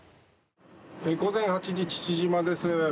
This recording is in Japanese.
午前８時父島です。